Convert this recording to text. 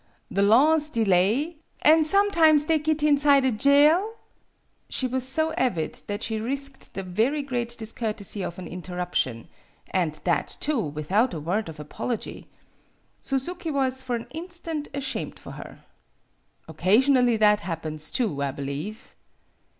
The law's de lay "" An' sometimes they git inside a jail ?" She was so avid that she risked the very great discourtesy of an interruption and that, too, without a word of apology. Su zuki was, for an instant, ashamed for her. "Occasionally that happens, too, I be lieve."